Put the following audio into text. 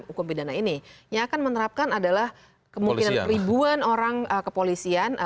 hukum pidana ini yang akan menerapkan adalah kemungkinan ribuan orang kepolisian